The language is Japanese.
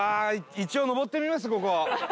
一応上ってみます？